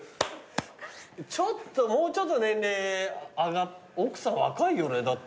ちょっともうちょっと年齢奥さん若いよねだって。